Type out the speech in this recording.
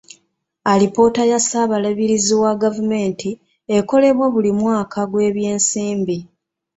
Alipoota ya ssaababalirizi wa gavumenti ekolebwa buli mwaka gw'ebyensimbi.